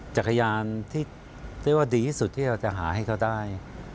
จักรยานที่เรียกว่าดีที่สุดที่เราจะหาให้เขาได้